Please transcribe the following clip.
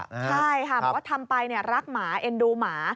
ใช่ค่ะบอกว่าทำไปรักหมาเอ็นดูหมา